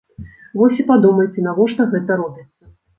Вось і падумайце, навошта гэта робіцца.